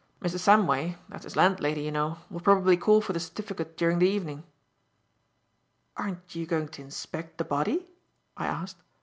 Mrs. Samway that's his landlady, you know will probably call for the certificate during the evening." "Aren't you going to inspect the body?" I asked.